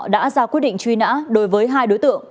đã ra quyết định truy nã đối với hai đối tượng